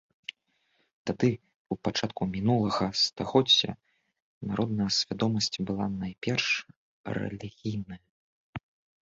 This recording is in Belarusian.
Тады, у пачатку мінулага стагоддзя, народная свядомасць была найперш рэлігійная.